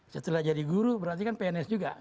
setelah jadi guru berarti kan pns juga